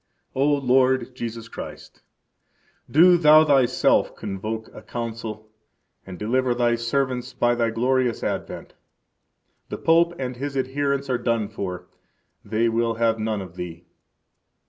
15 O Lord Jesus Christ, do Thou Thyself convoke a Council, and deliver Thy servants by Thy glorious advent! The Pope and his adherents are done for; they will have none of Thee.